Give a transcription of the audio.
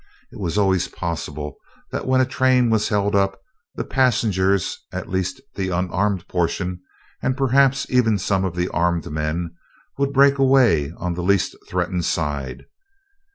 It was always possible that when a train was held up the passengers at least the unarmed portion, and perhaps even some of the armed men would break away on the least threatened side.